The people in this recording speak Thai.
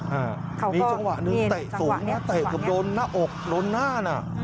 มีจังหวะหนึ่งเตะสูงนะเตะเกือบโดนหน้าอกโดนหน้าน่ะ